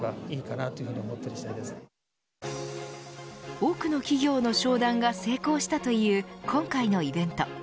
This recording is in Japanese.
多くの企業の商談が成功したという今回のイベント。